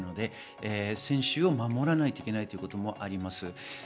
選手を守らないといけないということもあります。